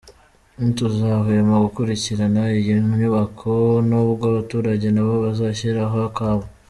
Ntituzahwema gukurikirana iyi nyubako n’ubwo abaturage nabo bazashyiraho akabo.